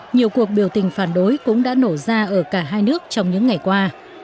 nhiều cuộc biểu tình phản đối cũng đã nổ ra ở cả hai nước trong những ngày qua